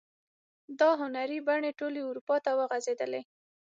دا هنري بڼې ټولې اروپا ته وغزیدلې.